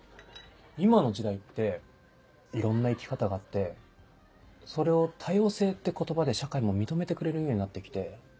今の時代っていろんな生き方があってそれを「多様性」って言葉で社会も認めてくれるようになってきて。